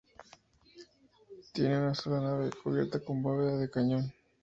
Tiene una sola nave, cubierta con bóveda de cañón.